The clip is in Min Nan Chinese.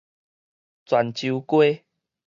泉州街